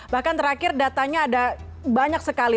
bahkan terakhir datanya ada banyak sekali